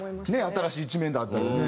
新しい一面であったりね。